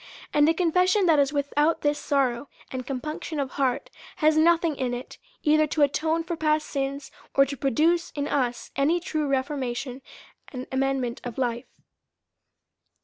And a confession that is without this sorrow and com punction of heart has nothing in it, either to atone for DEVOUT AND HOLY LIFE. 331 past sins, or to produce in us any true reformation and amendment of life.